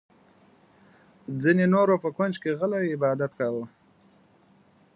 ځینې نورو په کونج کې غلی عبادت کاوه.